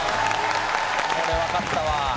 これわかったわ。